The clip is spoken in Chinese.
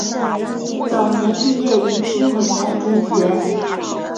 早年毕业于金文泰中学。